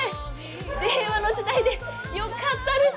令和の時代でよかったです。